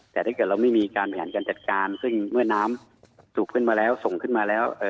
แต่ถ้าเกิดเราไม่มีการบริหารการจัดการซึ่งเมื่อน้ำสูบขึ้นมาแล้วส่งขึ้นมาแล้ว